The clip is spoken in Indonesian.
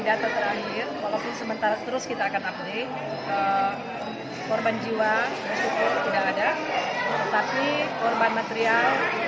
data terakhir walaupun sementara terus kita akan update korban jiwa sudah ada tetapi korban material